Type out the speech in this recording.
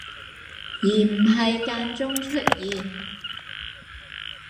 而唔係間中出現